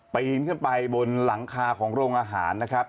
ปีนขึ้นไปบนหลังคาของโรงอาหารนะครับ